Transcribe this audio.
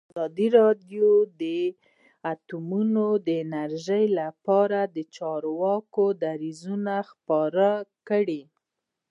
ازادي راډیو د اټومي انرژي لپاره د چارواکو دریځ خپور کړی.